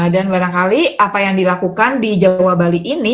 dan barangkali apa yang dilakukan di jawa bali ini